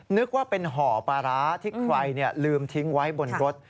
นึกว่าเป็นห่อปลาร้าที่ใครลืมทิ้งไว้บนรถ